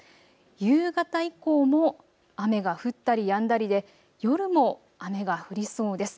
夕方以降も雨が降ったりやんだりで夜も雨が降りそうです。